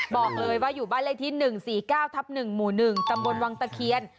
บอกเลยว่าอยู่บ้านเลขที่๑๔๙ทับ๑หมู่๑ตำบลวังตะเคียน